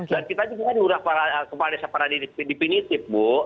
dan kita juga diurah ke para desa para dipinitif bu